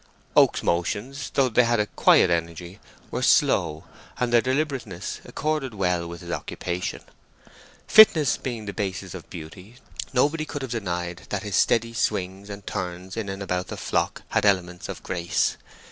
Oak's motions, though they had a quiet energy, were slow, and their deliberateness accorded well with his occupation. Fitness being the basis of beauty, nobody could have denied that his steady swings and turns in and about the flock had elements of grace.